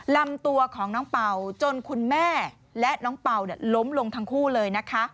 ลำตัวของน้องเป่าจนคุณแม่และน้องเป่าล้มลงทั้งคู่เลยนะคะ